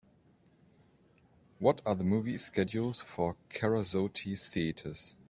What are the movie schedules for Kerasotes Theatres